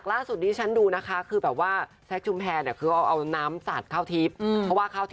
ครับผมเดี๋ยวดูกันไปก่อนดีกว่า